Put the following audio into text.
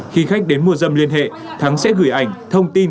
khi khách đến mua dâm liên hệ thắng sẽ gửi ảnh thông tin